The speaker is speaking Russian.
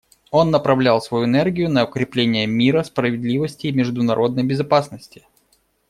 Он направлял свою энергию на укрепление мира, справедливости и международной безопасности.